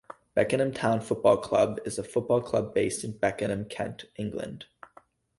Beckenham Town Football Club is a football club based in Beckenham, Kent, England.